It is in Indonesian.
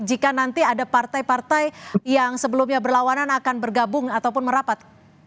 jika nanti ada partai partai yang sebelumnya berlawanan akan bergabung ataupun merapat